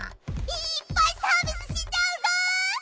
いっぱいサービスしちゃうぞ！